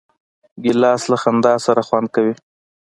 ګیلاس له خندا سره خوند کوي.